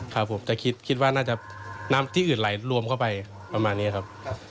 ครับผมแต่คิดว่าน่าจะน้ำที่อื่นไหลรวมเข้าไปประมาณนี้ครับ